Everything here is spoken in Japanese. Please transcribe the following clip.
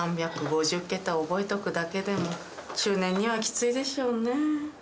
３５０桁を覚えとくだけでも中年にはきついでしょうね。